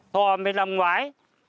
thu hòa một mươi năm năm ngoái